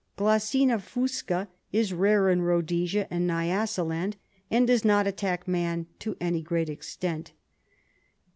Glossina fusca is rare in Ehodesia and Nyasaland, and does not attack man to any great extent.